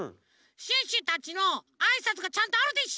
シュッシュたちのあいさつがちゃんとあるでしょ！